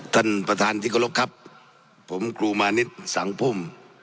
ท่านประธานธิกรกครับผมกลุมานิทสังพุ่ม